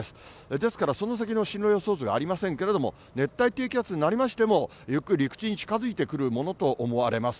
ですから、その先の進路予想図はありませんけれども、熱帯低気圧になりましても、ゆっくり陸地に近づいてくるものと思われます。